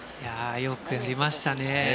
よくやりましたね